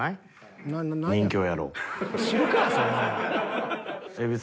知るかぁそんなもん。